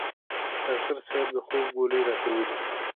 ډاکټر صیب د خوب ګولۍ راته ولیکه